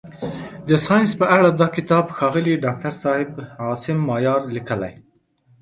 د ساینس په اړه دا کتاب ښاغلي داکتر صاحب عاصم مایار لیکلی.